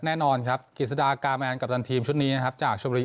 แน่นอนครับกิจสดากาแมนกัปตันทีมชุดนี้นะครับจากชมบุรี